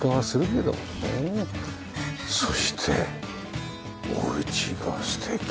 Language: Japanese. そしておうちが素敵。